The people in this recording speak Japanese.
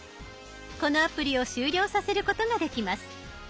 このアプリを終了させることができます。